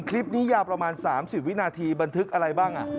คลิปนี้ยาวประมาณ๓๐วินาทีบันทึกอะไรบ้าง